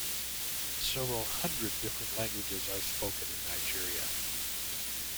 Several hundred different languages are spoken in Nigeria.